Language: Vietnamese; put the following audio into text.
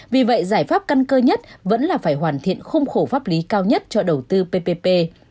vì vậy giải pháp căn cơ nhất vẫn là phải hoàn thiện khung khổ pháp lý cao nhất cho đầu tư ppp